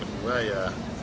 ya sepeda ya